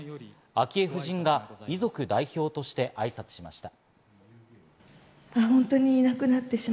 昭恵夫人が遺族代表として挨拶しました。